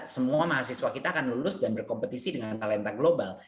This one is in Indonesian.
semua mahasiswa kita akan lulus dan berkompetisi dengan talenta global